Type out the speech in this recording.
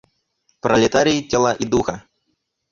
Пролетарии тела и духа.